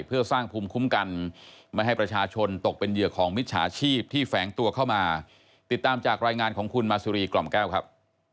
เพื่อสร้างภูมิคุ้มกันไม่ให้ประชาชนตกเป็นเหยื่อของมิจฉาชีพที่แฝงตัวเข้ามาติดตามจากรายงานของคุณมาสุรีกล่อมแก้วครับ